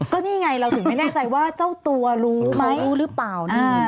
ก็นี่ไงเราถึงไม่แน่ใจว่าเจ้าตัวรู้ไหมหรือเปล่านะ